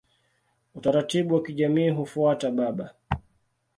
Utaratibu wa kijamii hufuata baba.